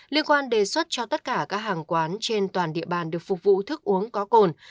liên quan đề xuất cho tất cả các hàng quán trên toàn địa bàn được phục vụ thức uống có cồn